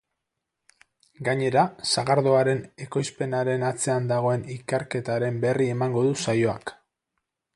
Gainera, sagardoaren ekoizpenaren atzean dagoen ikerketaren berri emango du saioak.